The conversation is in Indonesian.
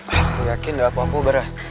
aku yakin gak apa apa barah